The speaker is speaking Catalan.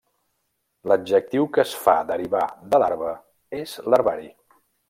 L'adjectiu que es fa derivar de larva és larvari.